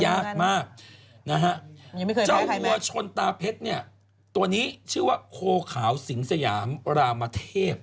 ยากมากนะฮะเจ้าวัวชนตาเพชรเนี่ยตัวนี้ชื่อว่าโคขาวสิงสยามรามเทพ